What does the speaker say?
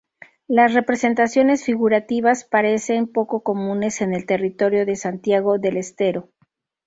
Las representaciones figurativas parecen poco comunes en el territorio de Santiago del Estero.